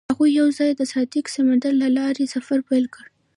هغوی یوځای د صادق سمندر له لارې سفر پیل کړ.